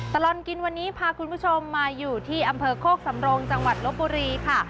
ตลอดกินวันนี้พาคุณผู้ชมมาอยู่ที่อำเภอโคกสำรงจังหวัดลบบุรีค่ะ